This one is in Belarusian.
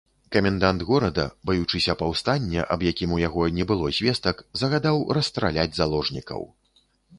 Камендант горада, баючыся паўстання, аб якім у яго не было звестак, загадаў расстраляць заложнікаў.